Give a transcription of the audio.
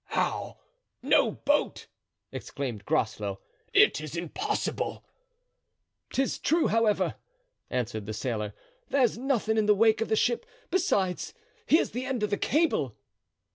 "How! no boat!" exclaimed Groslow; "it is impossible." "'Tis true, however," answered the sailor; "there's nothing in the wake of the ship; besides, here's the end of the cable."